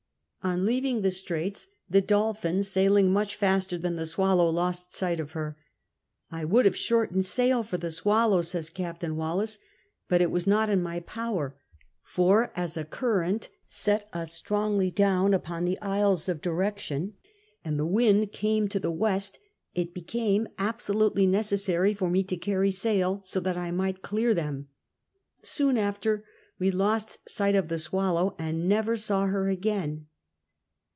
On leaving the Straits the Dolphin, sailing much faster than the Swallow, lost sight of her. "I would have shortened sail for the SwalUm,^^ says Captain Wallis, "but it was not in my power, for as a current set us strongly down upon the Isles of Direction, and the V CAPTAIN WALLIS 59 vnnd came to the west, it became absolutely necessary for me to carry sail, so that I might clear them. Soon after we lost sight of the Swallotv, and never saw her again."